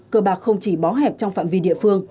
cờ bạc không chỉ bó hẹp trong phạm vi địa phương